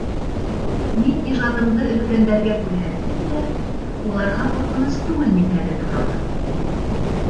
Мин ижадымды өлкәндәргә күрһәттем дә, уларға ҡурҡыныс түгелме икәнен һораным.